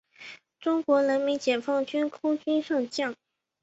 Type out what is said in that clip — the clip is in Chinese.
中国人民解放军空军上将。